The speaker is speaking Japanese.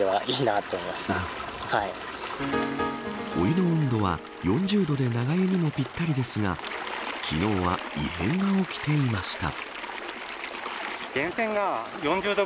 お湯の温度は４０度で長湯にもぴったりですが昨日は異変が起きていました。